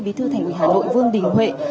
bí thư thành quỷ hà nội vương đình huệ